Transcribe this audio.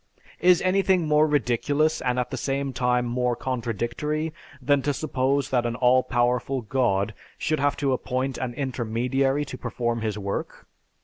Is anything more ridiculous and at the same time more contradictory, than to suppose that an all powerful god should have to appoint an intermediary to perform his work?